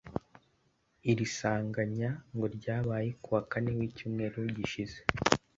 Iri sanganya ngo ryabaye ku wa Kane w’icyumweru gishize